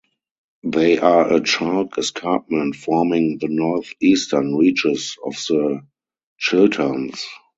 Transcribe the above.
They are a chalk escarpment forming the north-eastern reaches of the Chilterns.